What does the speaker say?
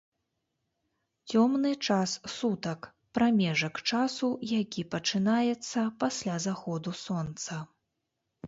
Цёмны час сутак — прамежак часу, які пачынаецца пасля заходу сонца